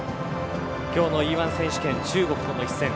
今日のＥ‐１選手権中国との一戦